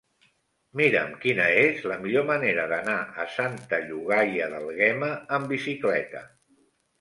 Mira'm quina és la millor manera d'anar a Santa Llogaia d'Àlguema amb bicicleta.